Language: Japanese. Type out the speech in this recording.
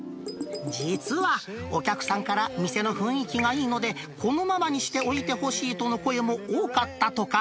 実は、お客さんから店の雰囲気がいいので、このままにしておいてほしいとの声も多かったとか。